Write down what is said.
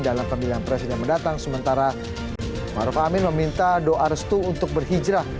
dalam pemilihan presiden mendatang sementara maruf amin meminta doa restu untuk berhijrah